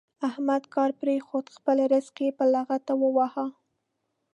احمد کار پرېښود؛ خپل زرق يې په لغته وواهه.